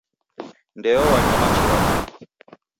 Ndeo wanywa machi ghapo.